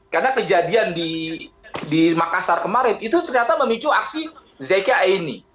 karena kejadian di makassar kemarin itu ternyata memicu aksi zeka aini